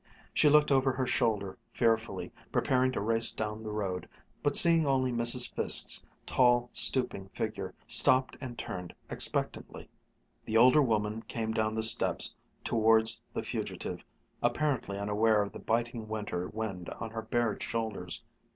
She looked over her shoulder fearfully, preparing to race down the road, but seeing only Mrs. Fiske's tall, stooping figure, stopped and turned expectantly. The older woman came down the steps towards the fugitive, apparently unaware of the biting winter wind on her bared shoulders.